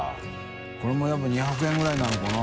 海譴やっぱ２００円ぐらいなのかな？